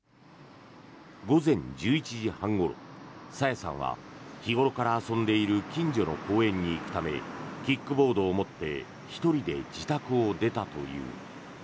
午前１１時半ごろ、朝芽さんは日ごろから遊んでいる近所の公園に行くためキックボードを持って１人で自宅を出たという。